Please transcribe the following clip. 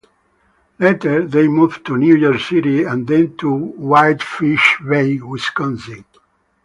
Later they moved to New York City, and then to Whitefish Bay, Wisconsin.